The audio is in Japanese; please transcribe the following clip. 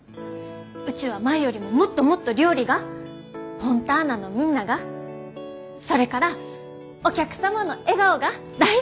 うちは前よりももっともっと料理がフォンターナのみんながそれからお客様の笑顔が大好きになりました。